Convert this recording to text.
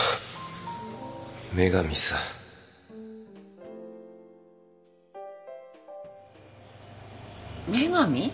女神さ女神？